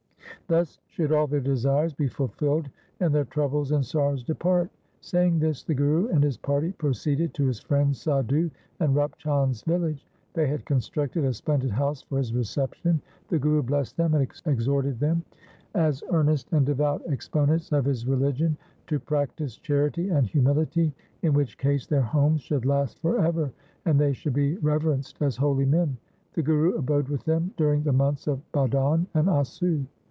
Thus should all their desires be ful filled, and their troubles and sorrows depart. Saying this the Guru and his party proceeded to his friends Sadhu and Rup Chand's village. They had con structed a splendid house for his reception. The Guru blessed them and exhorted them, as earnest 1 Sabaskriti sloks. LIFE OF GURU HAR GOBIND 153 and devout exponents of his religion, to practise charity and humility, in which case their homes should last for ever, and they should be reverenced as holy men. The Guru abode with them during the months of Bhadon and Assu.